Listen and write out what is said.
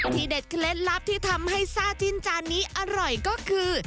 เด็ดเคล็ดลับที่ทำให้ซ่าจิ้นจานนี้อร่อยก็คือ